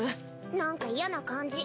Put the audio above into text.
なんか嫌な感じ。